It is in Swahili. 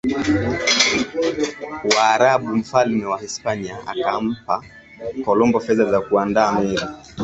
Waarabu Mfalme wa Hispania akampa Kolombo fedha za kuandaa meli